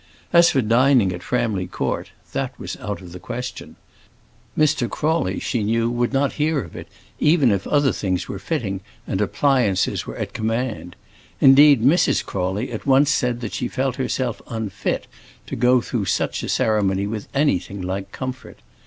As for dining at Framley Court, that was out of the question. Mr. Crawley, she knew, would not hear of it, even if other things were fitting and appliances were at command. Indeed Mrs. Crawley at once said that she felt herself unfit to go through such a ceremony with anything like comfort.